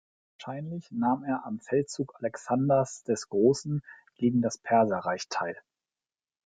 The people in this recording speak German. Wahrscheinlich nahm er am Feldzug Alexanders des Großen gegen das Perserreich teil.